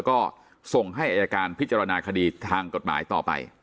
ก็ส่งให้อายการพิจารณาคดีทางกฎหมายต่อไป